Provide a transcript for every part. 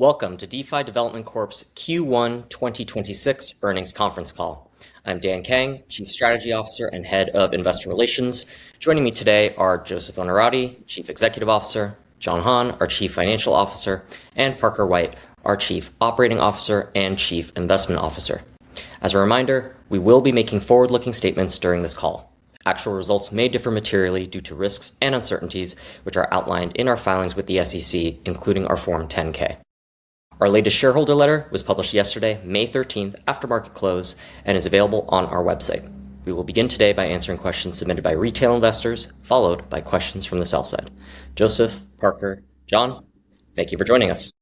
Welcome to DeFi Development Corp.'s Q1 2026 Earnings Conference Call. I'm Dan Kang, Chief Strategy Officer and Head of Investor Relations. Joining me today are Joseph Onorati, Chief Executive Officer, John Han, our Chief Financial Officer, and Parker White, our Chief Operating Officer and Chief Investment Officer. As a reminder, we will be making forward-looking statements during this call. Actual results may differ materially due to risks and uncertainties which are outlined in our filings with the SEC, including our Form 10-K. Our latest shareholder letter was published yesterday, May 13th, after market close, and is available on our website. We will begin today by answering questions submitted by retail investors, followed by questions from the sell side. Joseph, Parker, John, thank you for joining us.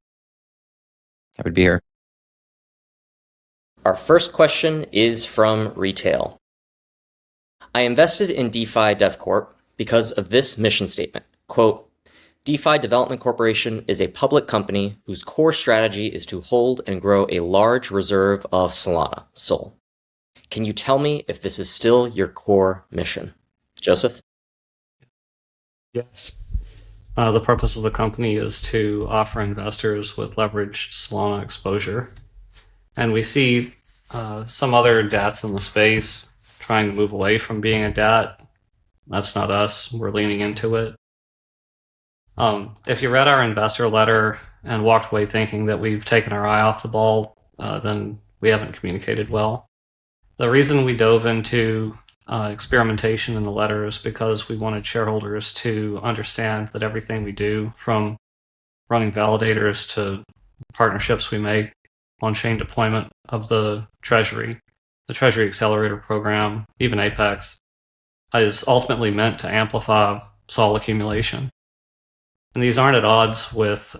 Happy to be here. Our first question is from retail. "I invested in DeFi Development Corp. because of this mission statement, quote, 'DeFi Development Corporation is a public company whose core strategy is to hold and grow a large reserve of Solana, SOL.' Can you tell me if this is still your core mission?" Joseph? Yes. The purpose of the company is to offer investors with leveraged Solana exposure. We see some other DATs in the space trying to move away from being a DAT. That's not us. We're leaning into it. If you read our investor letter and walked away thinking that we've taken our eye off the ball, then we haven't communicated well. The reason we dove into experimentation in the letter is because we wanted shareholders to understand that everything, we do, from running validators to partnerships we make, on chain deployment of the treasury, the Treasury Accelerator program, even ApeX, is ultimately meant to amplify SOL accumulation. These aren't at odds with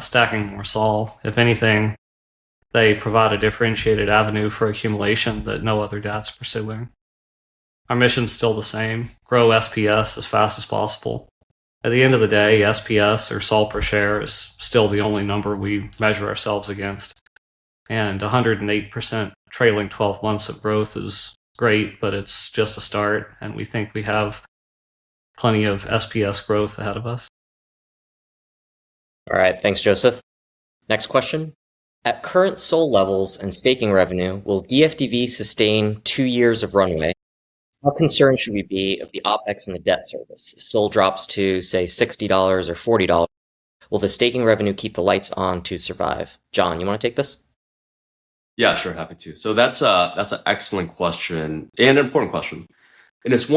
stacking more SOL. If anything, they provide a differentiated avenue for accumulation that no other DAT's pursuing. Our mission's still the same: grow SPS as fast as possible. At the end of the day, SPS, or SOL per share, is still the only number we measure ourselves against. 108% trailing 12 months of growth is great, but it's just a start, and we think we have plenty of SPS growth ahead of us. All right. Thanks, Joseph. Next question, "At current SOL levels and staking revenue, will DFDV sustain two years of runway? How concerned should we be of the OPEX and the debt service if SOL drops to, say, $60 or $40? Will the staking revenue keep the lights on to survive?" John, you wanna take this? Yeah, sure, happy to. That's an excellent question and an important question, and it's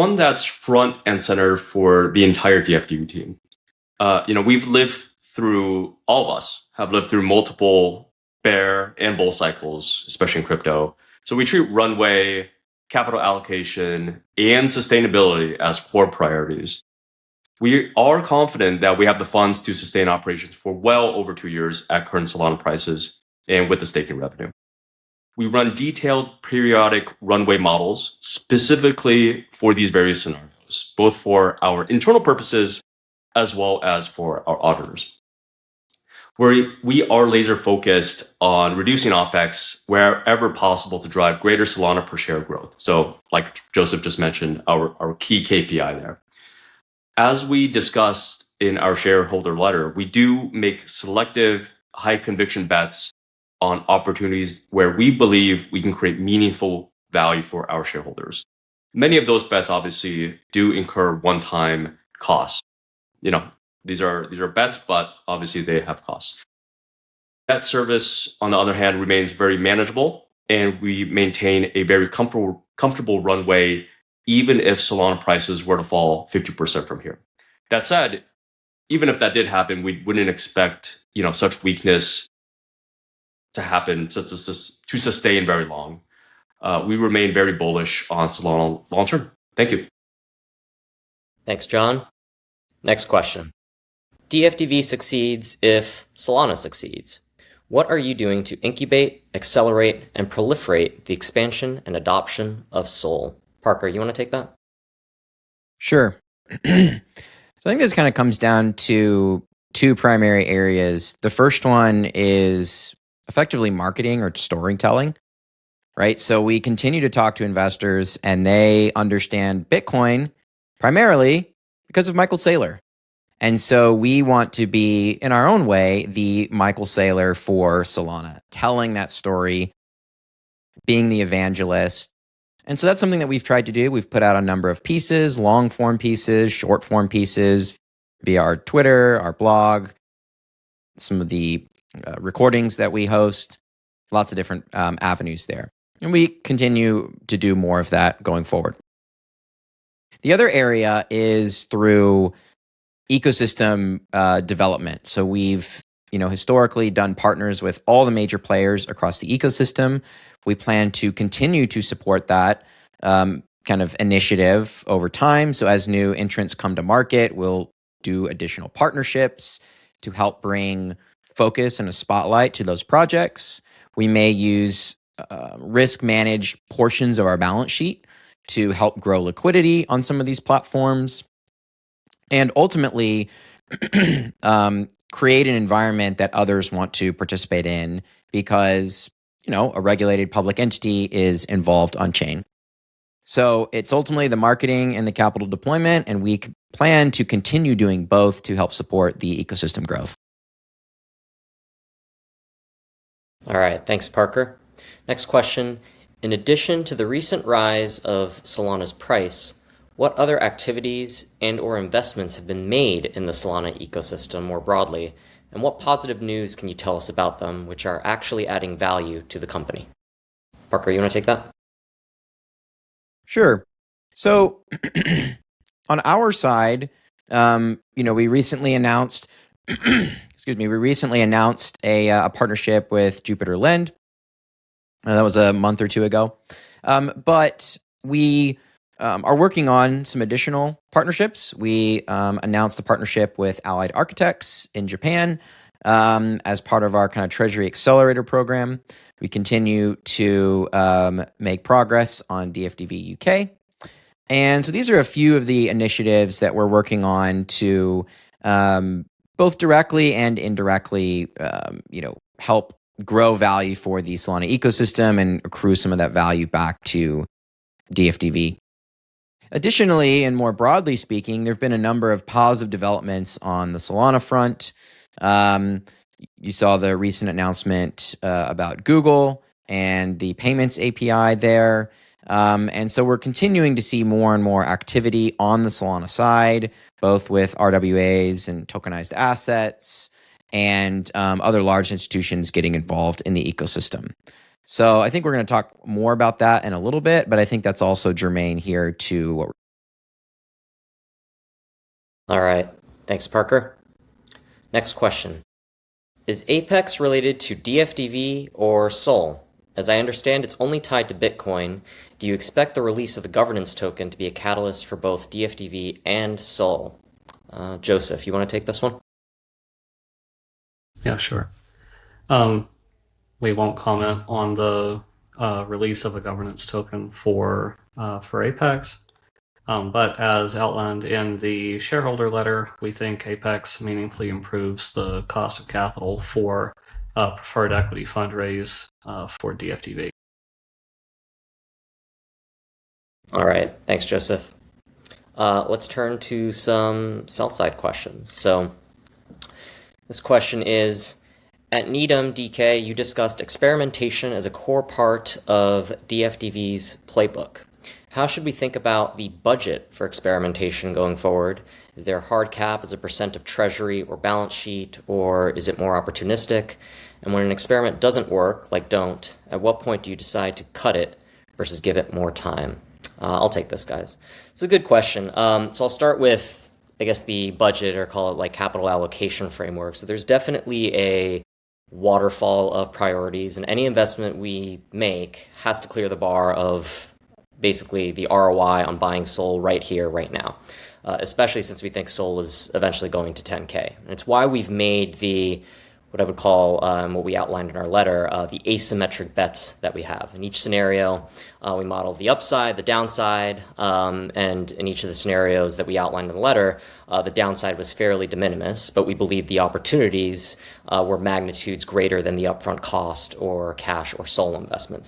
one that's front and center for the entire DFDV team. You know, all of us have lived through multiple bear and bull cycles, especially in crypto, so we treat runway, capital allocation, and sustainability as core priorities. We are confident that we have the funds to sustain operations for well over two years at current Solana prices and with the staking revenue. We run detailed periodic runway models specifically for these various scenarios, both for our internal purposes as well as for our auditors. We are laser-focused on reducing OPEX wherever possible to drive greater Solana per share growth, so like Joseph just mentioned, our key KPI there. As we discussed in our shareholder letter, we do make selective high-conviction bets on opportunities where we believe we can create meaningful value for our shareholders. Many of those bets obviously do incur one-time costs. You know, these are bets, but obviously they have costs. That service, on the other hand, remains very manageable, and we maintain a very comfortable runway even if Solana prices were to fall 50% from here. That said, even if that did happen, we wouldn't expect, you know, such weakness to happen to sustain very long. We remain very bullish on Solana long-term. Thank you. Thanks, John. Next question, "DFDV succeeds if Solana succeeds. What are you doing to incubate, accelerate, and proliferate the expansion and adoption of SOL?" Parker, you wanna take that? Sure. I think this kind of comes down to two primary areas. The first one is effectively marketing or storytelling, right? We continue to talk to investors, and they understand Bitcoin primarily because of Michael Saylor. We want to be, in our own way, the Michael Saylor for Solana, telling that story, being the evangelist. That's something that we've tried to do. We've put out a number of pieces, long-form pieces, short-form pieces, via our Twitter, our blog, some of the recordings that we host. Lots of different avenues there. We continue to do more of that going forward. The other area is through ecosystem development. We've, you know, historically done partners with all the major players across the ecosystem. We plan to continue to support that kind of initiative over time. As new entrants come to market, we'll do additional partnerships to help bring focus and a spotlight to those projects. We may use risk-managed portions of our balance sheet to help grow liquidity on some of these platforms and ultimately create an environment that others want to participate in because, you know, a regulated public entity is involved on chain. It's ultimately the marketing and the capital deployment, and we plan to continue doing both to help support the ecosystem growth. All right. Thanks, Parker. Next question. In addition to the recent rise of Solana's price, what other activities and/or investments have been made in the Solana ecosystem more broadly, and what positive news can you tell us about them which are actually adding value to the company? Parker, you wanna take that? Sure. On our side, you know, we recently announced a partnership with Jupiter Lend that was a month or two ago. We are working on some additional partnerships. We announced a partnership with Allied Architects in Japan as part of our kind of Treasury Accelerator program. We continue to make progress on DFDV UK. These are a few of the initiatives that we're working on to both directly and indirectly, you know, help grow value for the Solana ecosystem and accrue some of that value back to DFDV. Additionally, and more broadly speaking, there've been a number of positive developments on the Solana front. You saw the recent announcement about Google and the payments API there. We're continuing to see more and more activity on the Solana side, both with RWAs and tokenized assets and other large institutions getting involved in the ecosystem. I think we're gonna talk more about that in a little bit, but I think that's also germane here. All right. Thanks, Parker. Next question. Is ApeX related to DFDV or Sol? As I understand, it's only tied to Bitcoin. Do you expect the release of the governance token to be a catalyst for both DFDV and Sol? Joseph, you wanna take this one? Yeah, sure. We won't comment on the release of a governance token for for ApeX. As outlined in the shareholder letter, we think ApeX meaningfully improves the cost of capital for a preferred equity fundraise for DFDV. All right. Thanks, Joseph. Let's turn to some sell side questions. This question is, at Needham, DK, you discussed experimentation as a core part of DFDV's playbook. How should we think about the budget for experimentation going forward? Is there a hard cap as a percent of treasury or balance sheet, or is it more opportunistic? When an experiment doesn't work, at what point do you decide to cut it versus give it more time? I'll take this, guys. It's a good question. I'll start with, I guess, the budget or call it, like, capital allocation framework. There's definitely a waterfall of priorities, and any investment we make has to clear the bar of basically the ROI on buying Sol right here, right now. Especially since we think Sol is eventually going to 10K. It's why we've made the, what I would call, what we outlined in our letter, the asymmetric bets that we have. In each scenario, we model the upside, the downside, and in each of the scenarios that we outlined in the letter, the downside was fairly de minimis, but we believe the opportunities were magnitudes greater than the upfront cost or cash or SOL investment.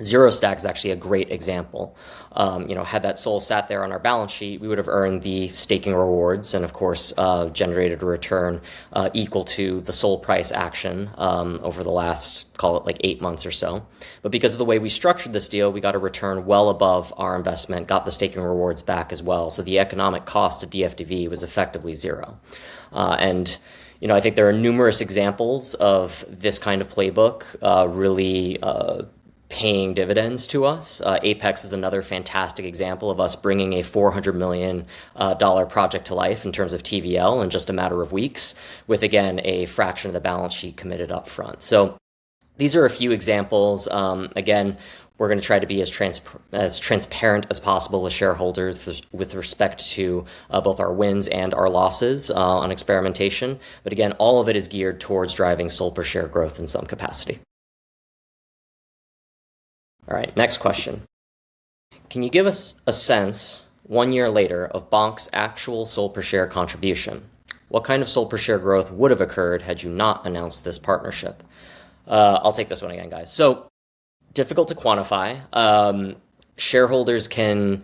ZeroStack Corp. is actually a great example. You know, had that SOL sat there on our balance sheet, we would have earned the staking rewards and, of course, generated a return equal to the SOL price action over the last, call it, like, eight months or so. Because of the way we structured this deal, we got a return well above our investment, got the staking rewards back as well. The economic cost to DFDV was effectively zero. You know, I think there are numerous examples of this kind of playbook really paying dividends to us. ApeX is another fantastic example of us bringing a $400 million project to life in terms of TVL in just a matter of weeks, with again, a fraction of the balance sheet committed upfront. These are a few examples. Again, we're gonna try to be as transparent as possible with shareholders with respect to both our wins and our losses on experimentation. Again, all of it is geared towards driving SOL per share growth in some capacity. All right. Next question. Can you give us a sense, one year later, of Bonk's actual SOL per share contribution? What kind of Sol per share growth would have occurred had you not announced this partnership? I'll take this once again, guys. Difficult to quantify. Shareholders can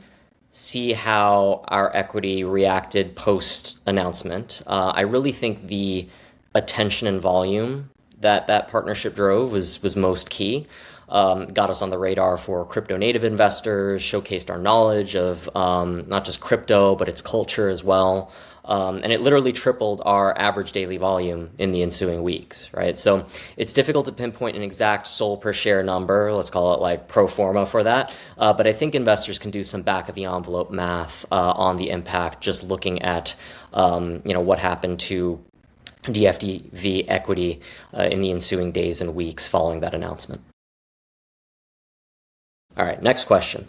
see how our equity reacted post-announcement. I really think the attention and volume that that partnership drove was most key. Got us on the radar for crypto native investors, showcased our knowledge of not just crypto, but its culture as well. It literally tripled our average daily volume in the ensuing weeks, right? It's difficult to pinpoint an exact Sol per share number, let's call it, like, pro forma for that. I think investors can do some back of the envelope math on the impact just looking at, you know, what happened to DFDV equity in the ensuing days and weeks following that announcement. All right. Next question.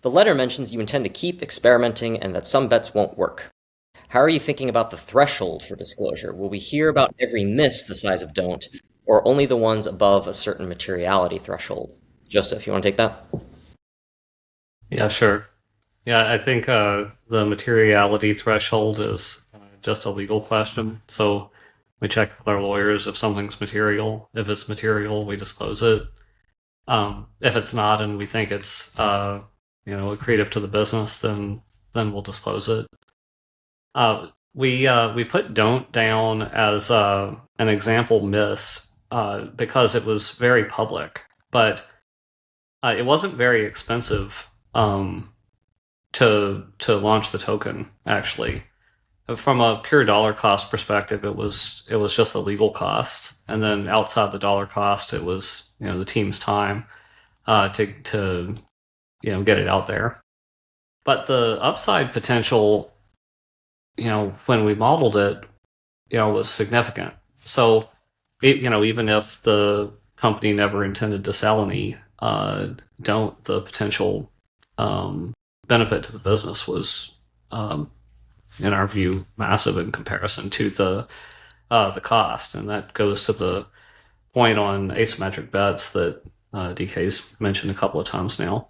The letter mentions you intend to keep experimenting and that some bets won't work. How are you thinking about the threshold for disclosure? Will we hear about every miss the size of Bonk or only the ones above a certain materiality threshold? Joseph, you wanna take that? Yeah, sure. Yeah, I think the materiality threshold is just a legal question. We check with our lawyers if something's material. If it's material, we disclose it. If it's not and we think it's, you know, accretive to the business, then we'll disclose it. We put Bonk down as an example miss because it was very public, but it wasn't very expensive to launch the token actually. From a pure dollar cost perspective, it was just a legal cost, and then outside the dollar cost it was, you know, the team's time to, you know, get it out there. The upside potential, you know, when we modeled it, you know, was significant. So, even if the company never intended to sell any, the potential benefit to the business was, in our view, massive in comparison to the cost, and that goes to the point on asymmetric bets that DK's mentioned a couple of times now.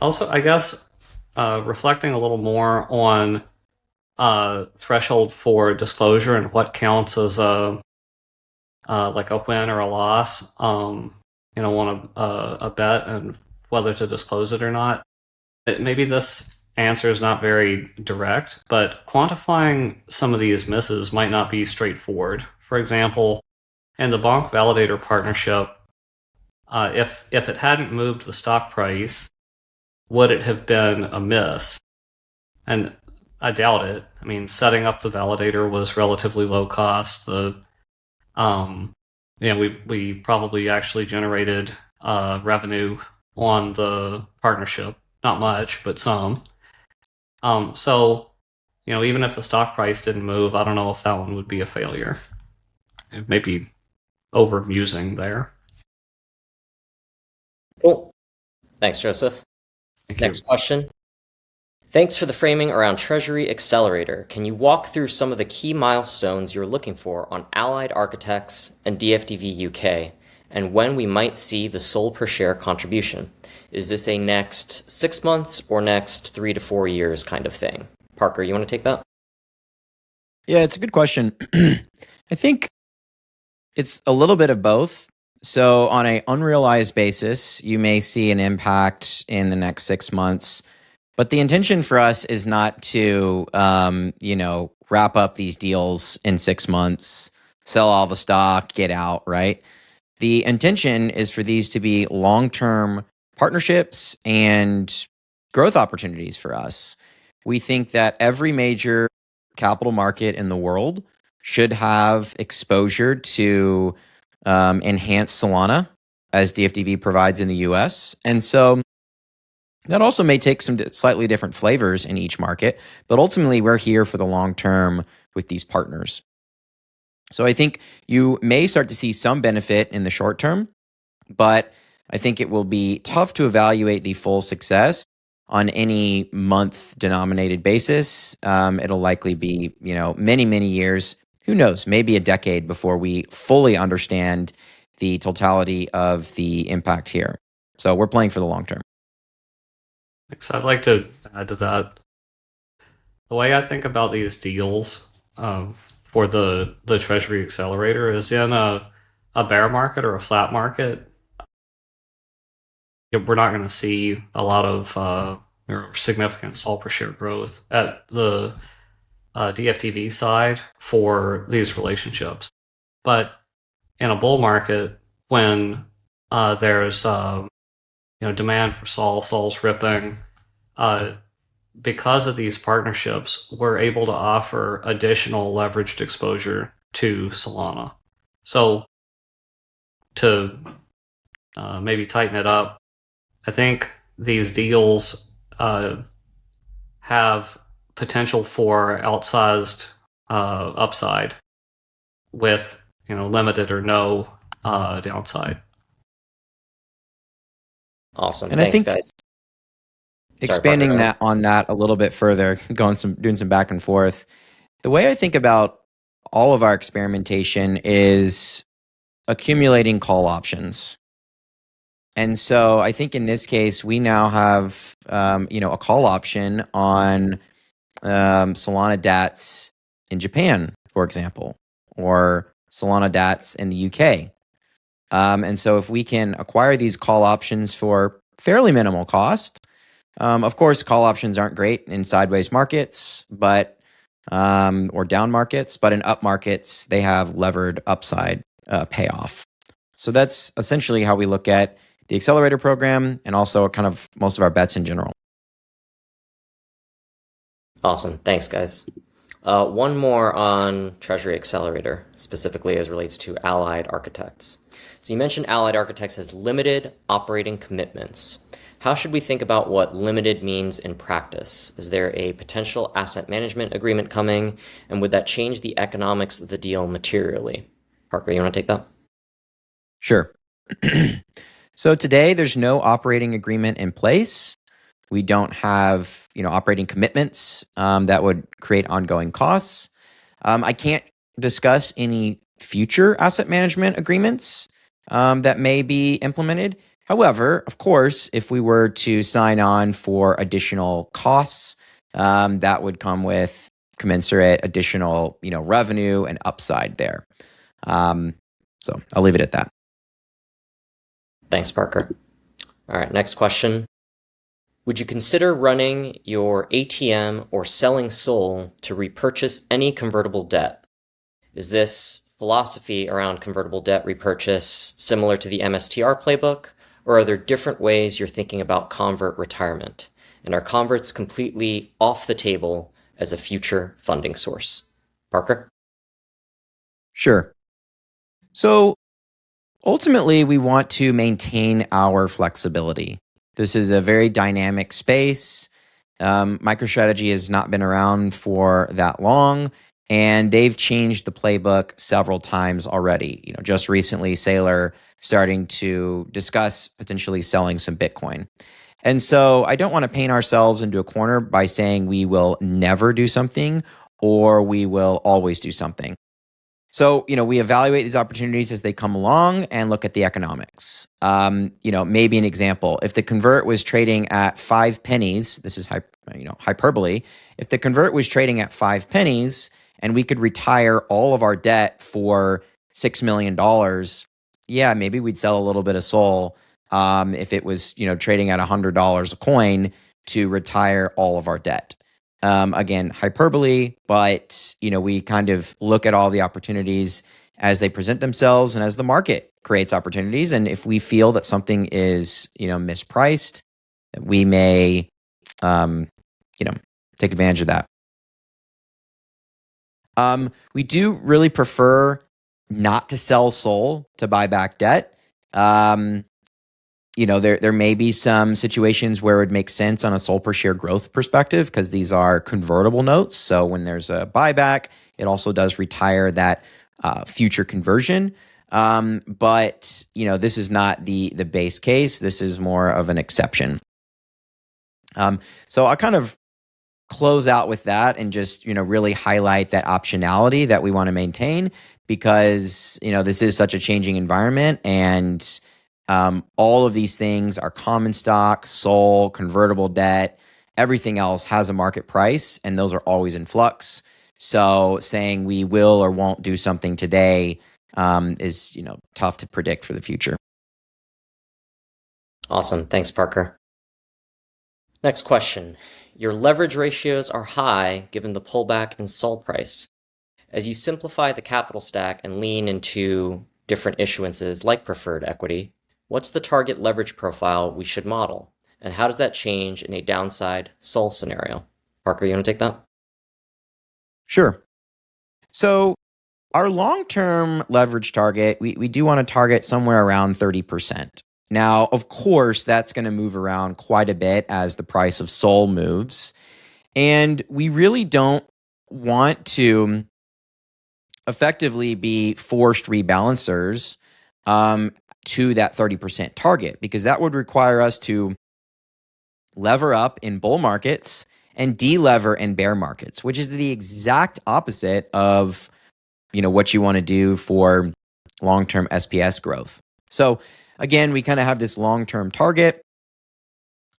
Also, I guess, reflecting a little more on threshold for disclosure and what counts as a, like a win or a loss, you know, on a bet and whether to disclose it or not, Maybe this answer is not very direct, but quantifying some of these misses might not be straightforward. For example, in the Bonk validator partnership, if it hadn't moved the stock price, would it have been a miss? I doubt it. I mean, setting up the validator was relatively low cost. You know, we probably actually generated revenue on the partnership. Not much, but some. You know, even if the stock price didn't move, I don't know if that one would be a failure. Maybe over-musing there. Cool. Thanks, Joseph. Thank you. Next question. Thanks for the framing around Treasury Accelerator. Can you walk through some of the key milestones you're looking for on Allied Architects and DFDV UK, and when we might see the SOL per share contribution? Is this a next six months or next three-four years kind of thing? Parker, you wanna take that? Yeah, it's a good question. I think it's a little bit of both. On a unrealized basis, you may see an impact in the next six months, but the intention for us is not to, you know, wrap up these deals in six months, sell all the stock, get out, right? The intention is for these to be long-term partnerships and growth opportunities for us. We think that every major capital market in the world should have exposure to enhanced Solana as DFDV provides in the U.S. That also may take some slightly different flavors in each market, but ultimately, we're here for the long term with these partners. I think you may start to see some benefit in the short term, but I think it will be tough to evaluate the full success on any month-denominated basis. It'll likely be, you know, many, many years, who knows, maybe a decade before we fully understand the totality of the impact here. We're playing for the long term. Thanks. I'd like to add to that. The way I think about these deals, for the Treasury Accelerator is in a bear market or a flat market, you know, we're not gonna see a lot of, you know, significant SOL per share growth at the DFDV side for these relationships. In a bull market when, there's, you know, demand for SOL's ripping, because of these partnerships, we're able to offer additional leveraged exposure to Solana. To maybe tighten it up, I think these deals, have potential for outsized, upside with, you know, limited or no, downside. Awesome. Thanks, guys. And I think- Sorry, Parker. Expanding that, on that a little bit further, doing some back and forth, the way I think about all of our experimentation is accumulating call options. I think in this case we now have, you know, a call option on Solana DATs in Japan, for example, or Solana DATs in the U.K. If we can acquire these call options for fairly minimal cost, of course, call options aren't great in sideways markets, but or down markets, but in up markets, they have levered upside payoff. That's essentially how we look at the Treasury Accelerator program and also kind of most of our bets in general. Awesome. Thanks, guys. One more on Treasury Accelerator, specifically as relates to Allied Architects. You mentioned Allied Architects has limited operating commitments. How should we think about what limited means in practice? Is there a potential asset management agreement coming, and would that change the economics of the deal materially? Parker, you wanna take that? Sure. Today there's no operating agreement in place. We don't have, you know, operating commitments that would create ongoing costs. I can't discuss any future asset management agreements that may be implemented. However, of course, if we were to sign on for additional costs, that would come with commensurate additional, you know, revenue and upside there. I'll leave it at that. Thanks, Parker. All right, next question. Would you consider running your ATM or selling SOL to repurchase any convertible debt? Is this philosophy around convertible debt repurchase similar to the MSTR playbook, or are there different ways you're thinking about convert retirement? Are converts completely off the table as a future funding source? Parker? Sure. Ultimately, we want to maintain our flexibility. This is a very dynamic space. MicroStrategy has not been around for that long, and they've changed the playbook several times already. You know, just recently Saylor starting to discuss potentially selling some Bitcoin. I don't wanna paint ourselves into a corner by saying we will never do something or we will always do something. You know, we evaluate these opportunities as they come along and look at the economics. You know, maybe an example. If the convert was trading at $0.05, this is you know, hyperbole. If the convert was trading at $0.05 and we could retire all of our debt for $6 million, yeah, maybe we'd sell a little bit of SOL, if it was, you know, trading at $100 a coin to retire all of our debt. Again, hyperbole, but, you know, we kind of look at all the opportunities as they present themselves and as the market creates opportunities. If we feel that something is, you know, mispriced, we may, you know, take advantage of that. We do really prefer not to sell SOL to buy back debt. You know, there may be some situations where it makes sense on a SOL per share growth perspective, 'cause these are convertible notes, so when there's a buyback, it also does retire that future conversion. You know, this is not the base case. This is more of an exception. I'll kind of close out with that and just, you know, really highlight that optionality that we wanna maintain because, you know, this is such a changing environment and, all of these things, our common stock, SOL, convertible debt, everything else has a market price, and those are always in flux. Saying we will or won't do something today, is, you know, tough to predict for the future. Awesome. Thanks, Parker. Next question. Your leverage ratios are high given the pullback in SOL price. As you simplify the capital stack and lean into different issuances like preferred equity, what's the target leverage profile we should model, and how does that change in a downside SOL scenario? Parker, you wanna take that? Sure. Our long-term leverage target, we do want to target somewhere around 30%. Now, of course, that's going to move around quite a bit as the price of SOL moves, and we really don't want to effectively be forced rebalancers to that 30% target, because that would require us to lever up in bull markets and de-lever in bear markets, which is the exact opposite of, you know, what you want to do for long-term SPS growth. Again, we kind of have this long-term target,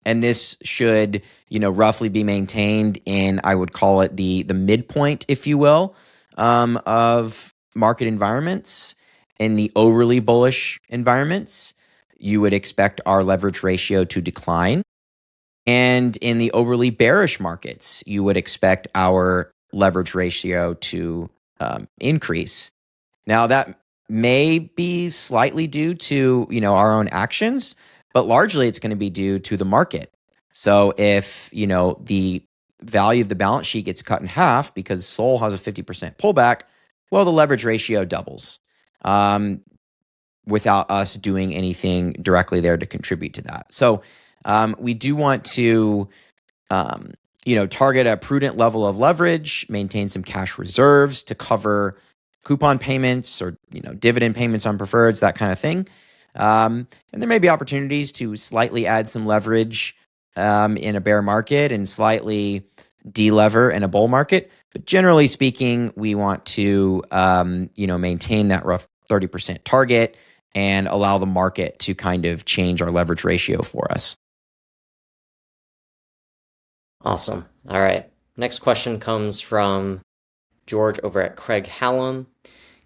and this should, you know, roughly be maintained in, I would call it, the midpoint, if you will, of market environments. In the overly bullish environments, you would expect our leverage ratio to decline, and in the overly bearish markets, you would expect our leverage ratio to increase. That may be slightly due to, you know, our own actions, but largely it's gonna be due to the market. If, you know, the value of the balance sheet gets cut in half because SOL has a 50% pullback, well, the leverage ratio doubles without us doing anything directly there to contribute to that. We do want to, you know, target a prudent level of leverage, maintain some cash reserves to cover coupon payments or, you know, dividend payments on preferreds, that kind of thing. There may be opportunities to slightly add some leverage in a bear market and slightly de-lever in a bull market. Generally speaking, we want to, you know, maintain that rough 30% target and allow the market to kind of change our leverage ratio for us. Awesome. All right. Next question comes from George over at Craig-Hallum.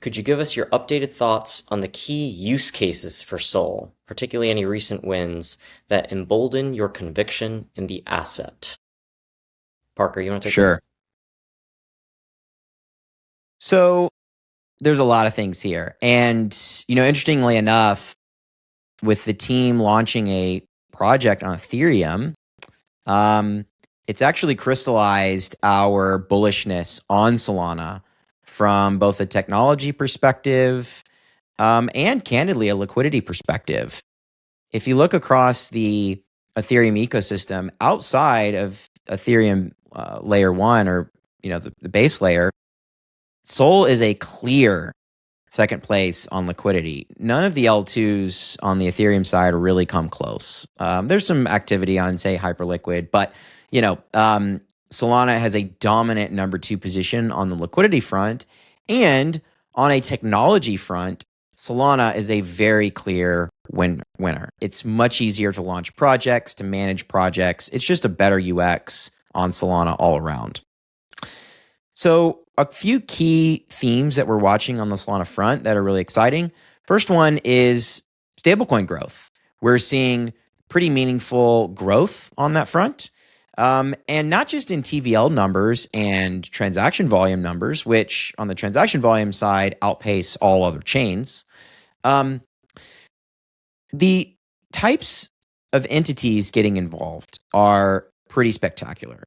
Could you give us your updated thoughts on the key use cases for SOL, particularly any recent wins that embolden your conviction in the asset? Parker, you wanna take this? Sure. There's a lot of things here. You know, interestingly enough, with the team launching a project on Ethereum, it's actually crystallized our bullishness on Solana from both a technology perspective and candidly, a liquidity perspective. If you look across the Ethereum ecosystem outside of Ethereum, Layer one or the base layer, SOL is a clear second place on liquidity. None of the L2s on the Ethereum side really come close. There's some activity on, say, Hyperliquid, but Solana has a dominant number two position on the liquidity front, and on a technology front, Solana is a very clear win-winner. It's much easier to launch projects, to manage projects. It's just a better UX on Solana all around. A few key themes that we're watching on the Solana front that are really exciting. First one is stablecoin growth. We're seeing pretty meaningful growth on that front. Not just in TVL numbers and transaction volume numbers, which on the transaction volume side outpace all other chains. The types of entities getting involved are pretty spectacular.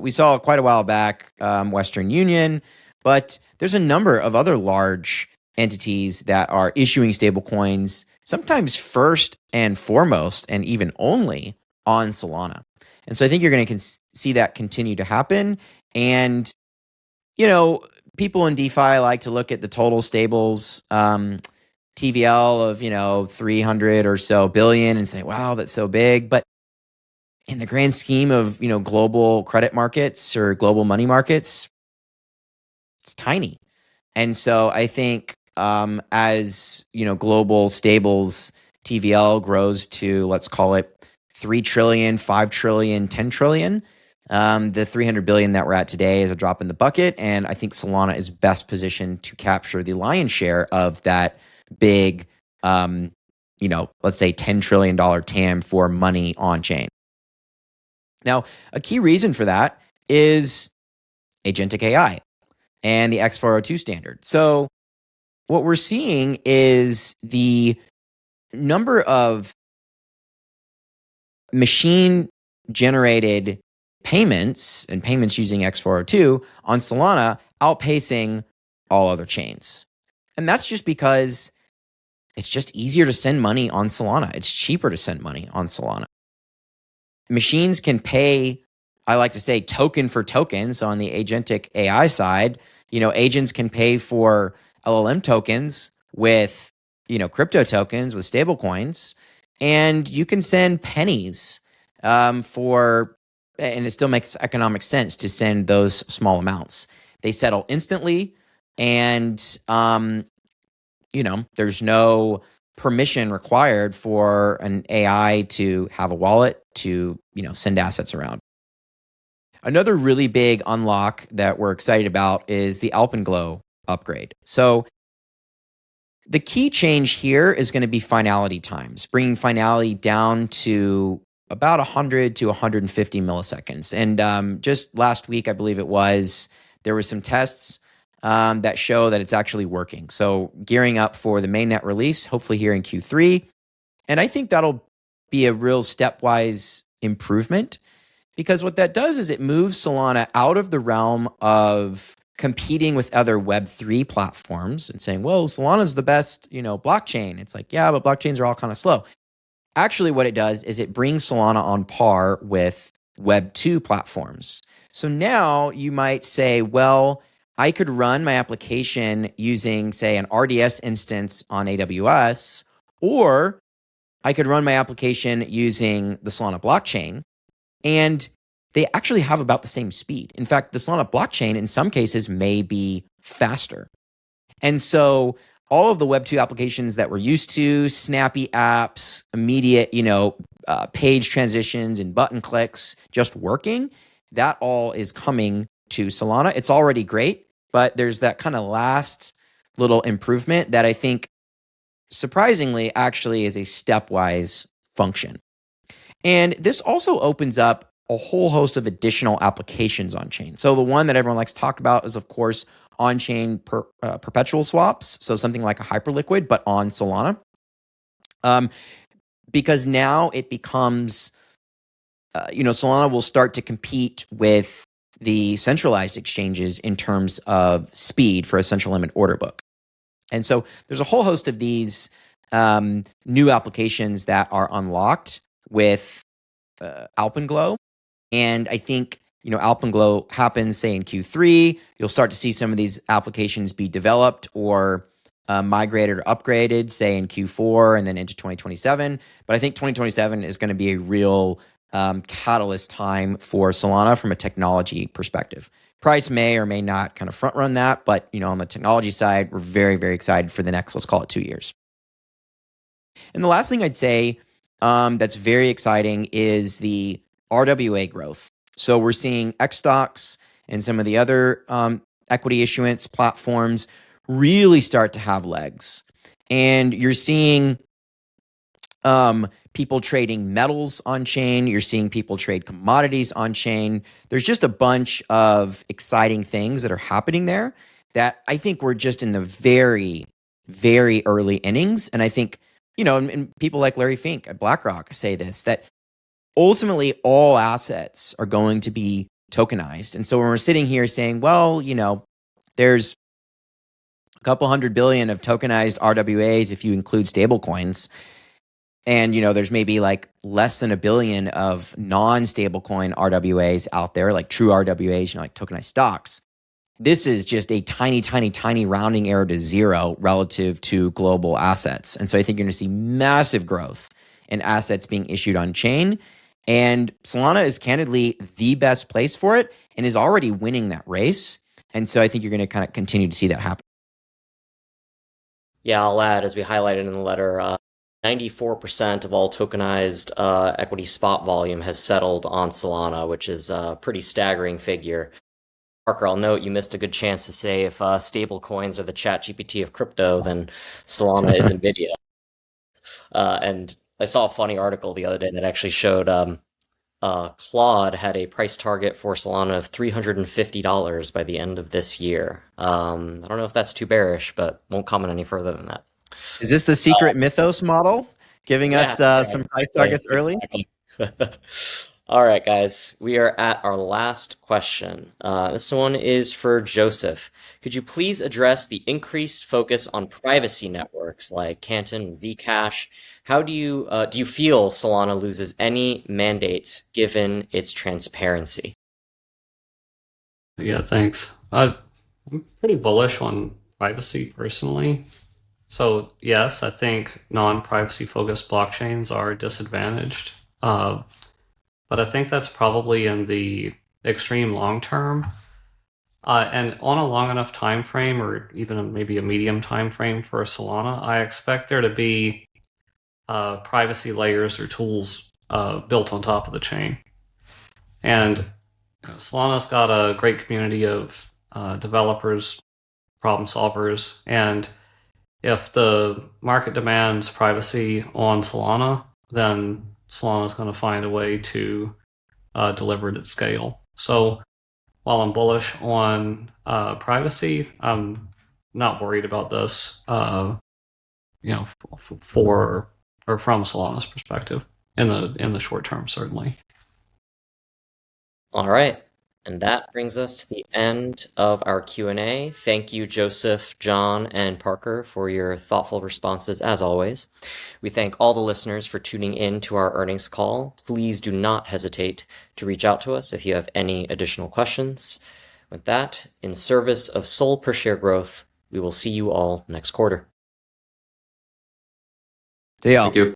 We saw quite a while back, Western Union, but there's a number of other large entities that are issuing stablecoins, sometimes first and foremost and even only on Solana. I think you're gonna see that continue to happen. You know, people in DeFi like to look at the total stables, TVL of, you know, $300 billion and say, "Wow, that's so big." In the grand scheme of, you know, global credit markets or global money markets, it's tiny. I think, as, you know, global stables TVL grows to, let's call it $3 trillion, $5 trillion, $10 trillion, the $300 billion that we're at today is a drop in the bucket, and I think Solana is best positioned to capture the lion's share of that big, let's say $10 trillion TAM for money on-chain. A key reason for that is agentic AI and the X402 standard. What we're seeing is the number of machine-generated payments and payments using X402 on Solana outpacing all other chains. That's just because it's just easier to send money on Solana. It's cheaper to send money on Solana. Machines can pay, I like to say token for tokens on the agentic AI side. You know, agents can pay for LLM tokens with, you know, crypto tokens, with stablecoins. It still makes economic sense to send those small amounts. They settle instantly. You know, there's no permission required for an AI to have a wallet to, you know, send assets around. Another really big unlock that we're excited about is the Alpenglow upgrade. The key change here is gonna be finality times, bringing finality down to about 100 ms to 150 ms. Just last week, I believe it was, there were some tests that show that it's actually working. Gearing up for the mainnet release, hopefully here in Q3. I think that'll be a real stepwise improvement because what that does is it moves Solana out of the realm of competing with other Web3 platforms and saying, "Well, Solana's the best, you know, blockchain." It's like, "Yeah, but blockchains are all kinda slow." Actually, what it does is it brings Solana on par with Web2 platforms. Now you might say, "Well, I could run my application using, say, an RDS instance on AWS, or I could run my application using the Solana blockchain," and they actually have about the same speed. In fact, the Solana blockchain in some cases may be faster. All of the Web2 applications that we're used to, snappy apps, immediate, you know, page transitions and button clicks just working, that all is coming to Solana. It's already great, but there's that kinda last little improvement that I think surprisingly actually is a stepwise function. This also opens up a whole host of additional applications on-chain. The one that everyone likes to talk about is, of course, on-chain perpetual swaps, something like a Hyperliquid, but on Solana. Because now it becomes, you know, Solana will start to compete with the centralized exchanges in terms of speed for a central limit order book. There's a whole host of these new applications that are unlocked with Alpenglow, and I think, you know, Alpenglow happens, say, in Q3. You'll start to see some of these applications be developed or migrated or upgraded, say, in Q4 and then into 2027. I think 2027 is gonna be a real catalyst time for Solana from a technology perspective. Price may or may not kind of front run that, but, you know, on the technology side, we're very, very excited for the next, let's call it two years. The last thing I'd say that's very exciting is the RWA growth. We're seeing xStocks and some of the other equity issuance platforms really start to have legs. You're seeing people trading metals on-chain. You're seeing people trade commodities on chain. There's just a bunch of exciting things that are happening there that I think we're just in the very, very early innings, and I think, you know, and people like Larry Fink at BlackRock say this, that ultimately all assets are going to be tokenized. When we're sitting here saying, "Well, you know, there's $200 billion of tokenized RWAs if you include stablecoins. You know, there's maybe, like, less than $1 billion of non-stablecoin RWAs out there, like true RWAs, you know, like tokenized stocks. This is just a tiny, tiny rounding error to zero relative to global assets. I think you're gonna see massive growth in assets being issued on chain, and Solana is candidly the best place for it, and is already winning that race. I think you're gonna kind of continue to see that happen. Yeah, I'll add, as we highlighted in the letter, 94% of all tokenized equity spot volume has settled on Solana, which is a pretty staggering figure. Parker, I'll note you missed a good chance to say if stable coins are the ChatGPT of crypto, then Solana is Nvidia. I saw a funny article the other day, and it actually showed Claude had a price target for Solana of $350 by the end of this year. I don't know if that's too bearish, won't comment any further than that. Is this the secret Mythos model giving us some price targets early? All right, guys, we are at our last question. This one is for Joseph. Could you please address the increased focus on privacy networks like Canton and Zcash? How do you feel Solana loses any mandates given its transparency? Yeah, thanks. I'm pretty bullish on privacy personally. Yes, I think non-privacy focused blockchains are disadvantaged. I think that's probably in the extreme long term. On a long enough timeframe or even a maybe a medium timeframe for Solana, I expect there to be privacy layers or tools built on top of the chain. Solana's got a great community of developers, problem solvers, and if the market demands privacy on Solana, then Solana's gonna find a way to deliver it at scale. While I'm bullish on privacy, I'm not worried about this, you know, for or from Solana's perspective in the short term, certainly. All right. That brings us to the end of our Q&A. Thank you, Joseph, John, and Parker for your thoughtful responses as always. We thank all the listeners for tuning in to our earnings call. Please do not hesitate to reach out to us if you have any additional questions. With that, in service of SOL per share growth, we will see you all next quarter. See y'all. Thank you.